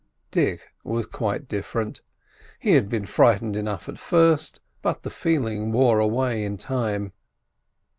Dick was quite different. He had been frightened enough at first; but the feeling wore away in time.